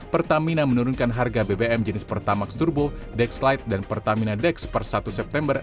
pertamina menurunkan harga bbm jenis pertamax turbo dex light dan pertamina dex per satu september